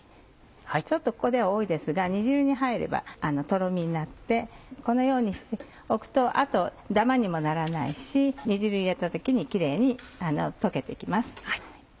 ちょっとここでは多いですが煮汁に入ればトロミになってこのようにしておくとダマにもならないし煮汁に入れた時にキレイに溶けて行きます。